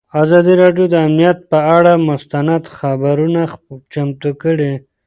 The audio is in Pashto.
ازادي راډیو د امنیت پر اړه مستند خپرونه چمتو کړې.